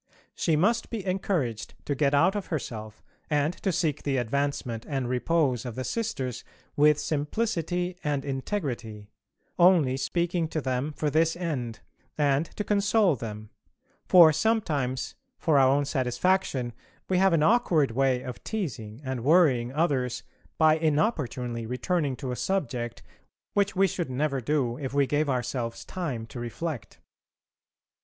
She must be encouraged to get out of herself, and to seek the advancement and repose of the Sisters with simplicity and integrity: only speaking to them for this end, and to console them: for sometimes for our own satisfaction we have an awkward way of teasing and worrying others by inopportunely returning to a subject which we should never do if we gave ourselves time to reflect.